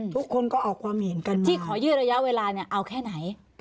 ทุกคนก็ออกความเห็นกันที่ขอยืดระยะเวลาเนี่ยเอาแค่ไหน